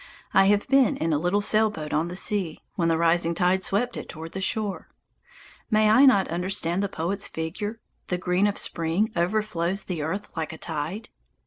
I have been in a little sail boat on the sea, when the rising tide swept it toward the shore. May I not understand the poet's figure: "The green of spring overflows the earth like a tide"?